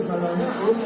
harus kalau tidak oh cu